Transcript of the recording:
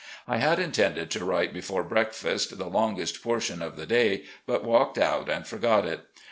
I had intended to write before breakfast, the longest portion of the day, but walked out and foigot it.